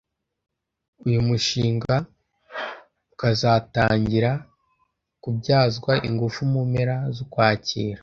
uyu mushinga ukazatangira kubyazwa ingufu mu mpera z’Ukwakira